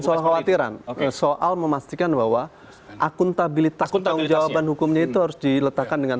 soal khawatiran soal memastikan bahwa akuntabilitas pertanggung jawaban hukumnya itu harus diletakkan dengan